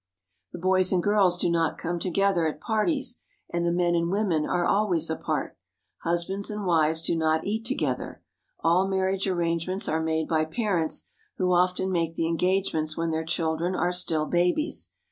The boys and girls do not come together at parties, and the men and women are always apart. Husbands and wives do not eat to gether. All marriage arrangements are made by parents, who often make the engagements when their children are still babies.